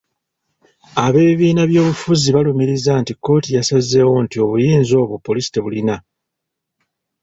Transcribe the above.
Ab’ebibiina byobufuzi balumiriza nti kkooti yasazeewo nti obuyinza obwo poliisi tebulina.